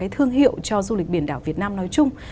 thương hiệu cho du lịch biển đảo việt nam nói chung